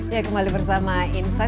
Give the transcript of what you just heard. ya kembali bersama insight